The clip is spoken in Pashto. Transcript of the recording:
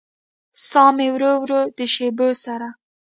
ساه مې ورو ورو د شېبو سره